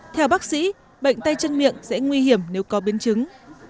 theo bác sĩ bệnh tay chân miệng sẽ nguy hiểm nếu có biến chứng